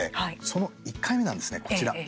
その１回目なんですね、こちら。